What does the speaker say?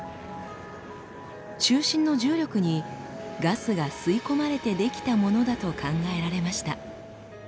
中心の重力にガスが吸い込まれて出来たものだと考えられました。